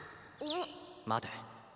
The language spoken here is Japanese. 待て。